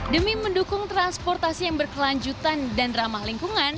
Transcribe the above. demi mendukung transportasi yang berkelanjutan dan ramah lingkungan